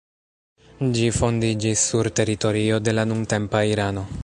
Ĝi fondiĝis sur teritorio de la nuntempa Irano.